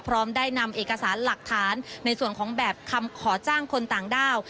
พร้อมได้นำเอกสารหลักฐานในส่วนของแบบคำขอจ้างคนต่างด้าว